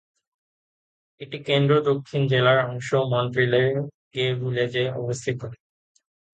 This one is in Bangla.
এটি কেন্দ্র-দক্ষিণ জেলার অংশ মন্ট্রিলের গে ভিলেজে অবস্থিত।